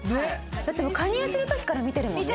だってもう加入する時から見てるもんね。